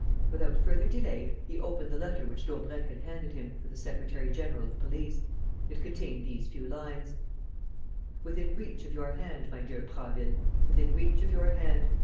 Without further delay, he opened the letter which Daubrecq had handed him for the secretary general of police. It contained these few lines: "Within reach of your hand, my dear Prasville, within reach of your hand!